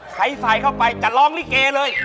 ใครใส่เข้าไปจะร้องลิเกเลย